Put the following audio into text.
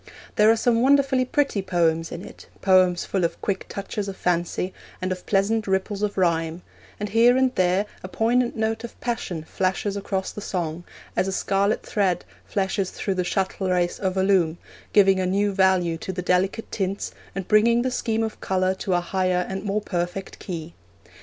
There are some wonderfully pretty poems in it, poems full of quick touches of fancy, and of pleasant ripples of rhyme; and here and there a poignant note of passion flashes across the song, as a scarlet thread flashes through the shuttlerace of a loom, giving a new value to the delicate tints, and bringing the scheme of colour to a higher and more perfect key.